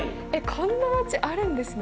こんな街あるんですね